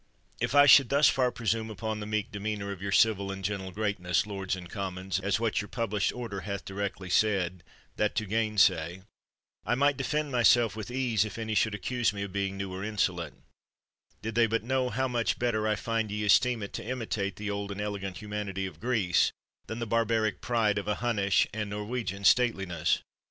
If I should thus far presume upon the meek demeanor of your civil and gentle greatness, lords and commons, as what your published order hath directly said, that to gainsay, I might defend myself with ease, if any should accuse me of being new or insolent, did they but know how much better I find ye esteem it to imitate the old and elegant humanity of Greece, than the barbaric pride of a Hunnish and Norwegian stateliness.